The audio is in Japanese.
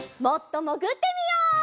もっともぐってみよう！